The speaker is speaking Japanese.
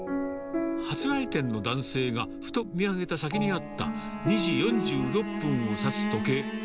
初来店の男性がふと見上げた先にあった、２時４６分をさす時計。